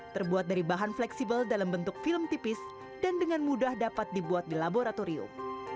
terbuat dari bahan fleksibel dalam bentuk film tipis dan dengan mudah dapat dibuat di laboratorium